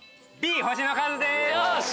よし！